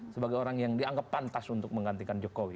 sebagai orang yang dianggap pantas untuk menggantikan jokowi